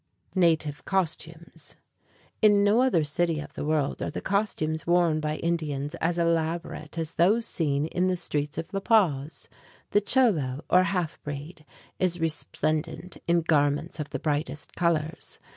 Native Costumes In no other city of the world are the costumes worn by Indians as elaborate as those seen in the streets of La Paz. The Cholo or half breed is resplendent in garments of the brightest colors.